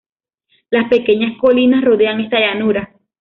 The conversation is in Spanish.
Las pequeñas colinas rodean esta llanura.